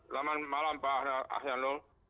selamat malam pak ahsanul